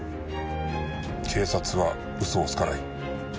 警察は嘘をつかない。